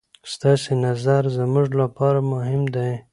ستاسې نظر زموږ لپاره مهم دی.